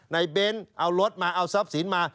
เบ้นเอารถมาเอาทรัพย์สินมา